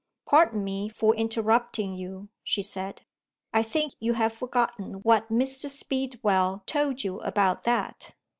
"Pardon me for interrupting you," she said. "I think you have forgotten what Mr. Speedwell told you about that."